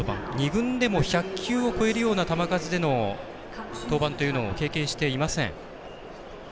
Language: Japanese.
２軍でも１００球を超えるような球数での登板というのは経験していません。